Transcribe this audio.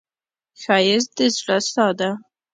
ښایست د زړه ساه ده